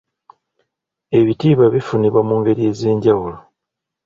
Ebitiibwa bifunibwa mu ngeri ez'enjawulo.